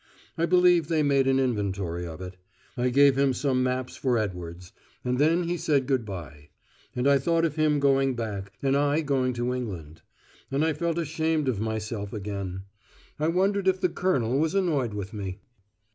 I believe they made an inventory of it. I gave him some maps for Edwards. And then he said good bye. And I thought of him going back, and I going to England. And I felt ashamed of myself again. I wondered if the Colonel was annoyed with me.